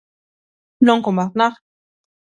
Non como Aznar.